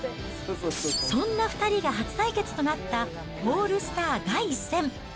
そんな２人が初対決となったオールスター第１戦。